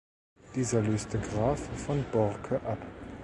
Dieser löste Graf von Borcke ab.